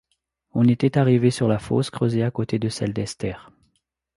On était arrivé sur la fosse creusée à côté de celle d’Esther.